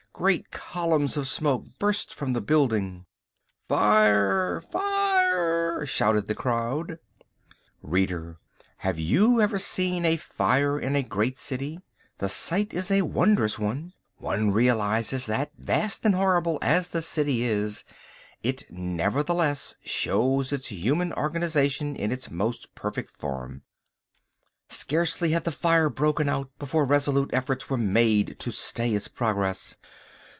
Great columns of smoke burst from the building. "Fire! Fire!" shouted the crowd. Reader, have you ever seen a fire in a great city? The sight is a wondrous one. One realises that, vast and horrible as the city is, it nevertheless shows its human organisation in its most perfect form. Scarcely had the fire broken out before resolute efforts were made to stay its progress.